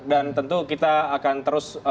dan tentu kita akan terus